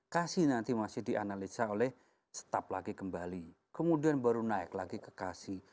kasi nanti masih dianalisa oleh staf lagi kembali kemudian baru naik lagi ke kasi